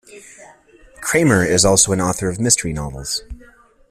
Kramer is also an author of mystery novels.